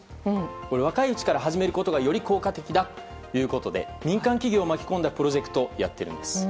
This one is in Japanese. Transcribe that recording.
若いうちから始めることがより効果的だということで民間企業を巻き込んだプロジェクトをやっているんです。